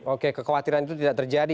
oke kekhawatiran itu tidak terjadi